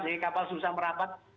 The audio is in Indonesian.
jadi kapal susah merapat